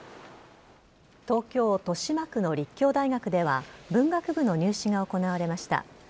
東京・豊島区の立教大学では文学部の入試が行われました。